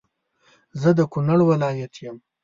زه د کونړ ولایت یم